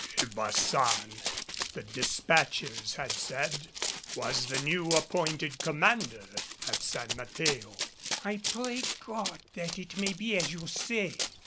De Baçan, the despatches had said, was the new appointed Commander at San Mateo. "I pray God that it may be as you say.